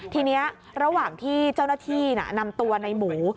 ทีนี้ระหว่างที่เจ้าหน้าที่นำตัวในหมู